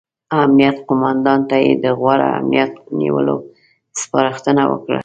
امنیه قوماندان ته یې د غوره امنیت نیولو سپارښتنه وکړه.